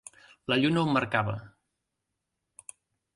La lluna ho marcava.